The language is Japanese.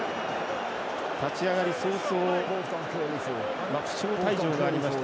立ち上がり早々負傷退場がありました